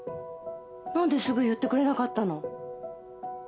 何ですぐ言ってくれなかったの？